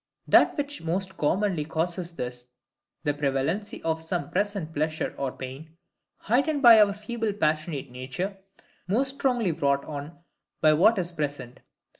That which most commonly causes this is, the prevalency of some present pleasure or pain, heightened by our feeble passionate nature, most strongly wrought on by what is present.